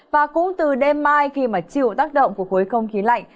và cũng từ đêm mai khi mà chịu tác động của khối không khí lạnh